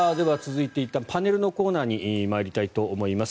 いったんパネルのコーナーに参りたいと思います。